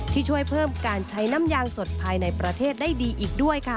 ที่ช่วยเพิ่มการใช้น้ำยางสดภายในประเทศได้ดีอีกด้วยค่ะ